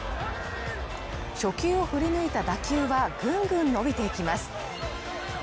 初球を振り抜いた打球はぐんぐん伸びていきます。